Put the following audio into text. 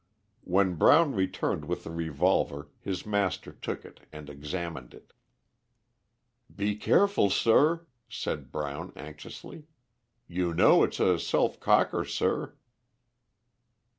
When Brown returned with the revolver his master took it and examined it. "Be careful, sir," said Brown, anxiously. "You know it's a self cocker, sir."